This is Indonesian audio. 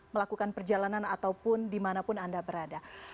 melakukan perjalanan ataupun dimanapun anda berada